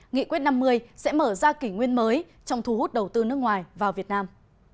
nghị quyết năm mươi sẽ mở ra kỷ nguyên mới trong thu hút đầu tư nước ngoài vào việt nam